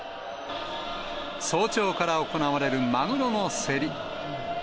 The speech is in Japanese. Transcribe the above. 早朝から行われるマグロの競り。